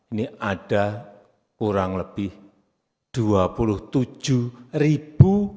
ini ada kurang lebih dua puluh tujuh ribu